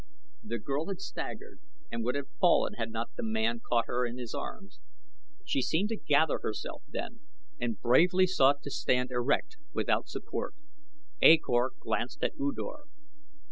The girl had staggered and would have fallen had not the man caught her in his arms. She seemed to gather herself then and bravely sought to stand erect without support. A Kor glanced at U Dor.